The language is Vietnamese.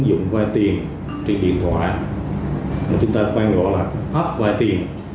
các ứng dụng vay tiền trên điện thoại chúng ta quay gọi là app vay tiền